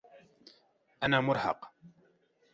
أنا مُرهق.